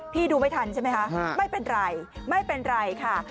พี่ดูไม่ทันใช่ไหมคะไม่เป็นไรค่ะ